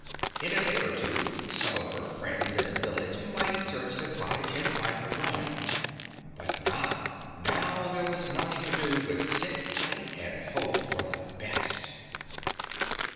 In a day or two, some of her friends in the village might search the cottage and find her gone, but NOW, now there was nothing to do but sit tight and hope for the best.